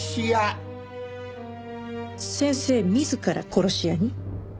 先生自ら殺し屋に？